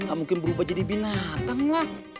gak mungkin berubah jadi binatang lah